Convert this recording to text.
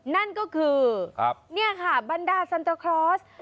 นั่นก็คือครับเนี่ยค่ะบรรดาซันตาคลอส